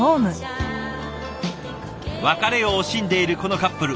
別れを惜しんでいるこのカップル。